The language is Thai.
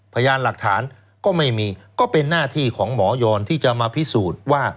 พยานหลักฐานก็ไม่มีก็เป็นหน้าที่ของหมอยอนที่จะมาพิสูจน์ว่า